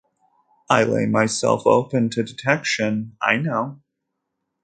I lay myself open to detection, I know.